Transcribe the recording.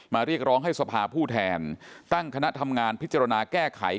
เรียกร้องให้สภาผู้แทนตั้งคณะทำงานพิจารณาแก้ไข